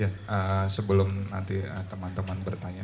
ya sebelum nanti teman teman bertanya